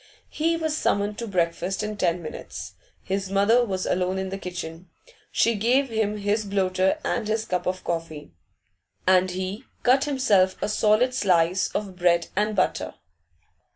He was summoned to breakfast in ten minutes. His mother was alone in the kitchen; she gave him his bloater and his cup of coffee, and he cut himself a solid slice of bread and butter.